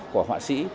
của họa sĩ